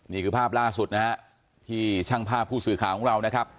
นี่คือภาพล่าสุดนะฮะที่ช่างภาพผู้สื่อข่าวของเรานะครับ